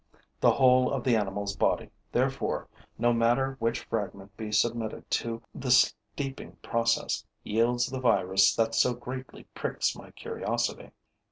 The whole of the animal's body, therefore, no matter which fragment be submitted to the steeping process, yields the virus that so greatly pricks my curiosity.